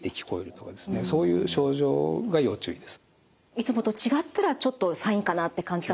いつもと違ったらちょっとサインかなって感じた方が。